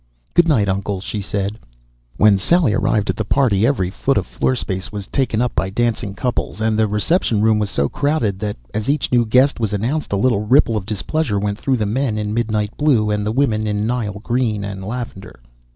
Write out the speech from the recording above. "Good night, Uncle," she said. When Sally arrived at the party every foot of floor space was taken up by dancing couples and the reception room was so crowded that, as each new guest was announced, a little ripple of displeasure went through the men in midnight blue and the women in Nile green and lavender.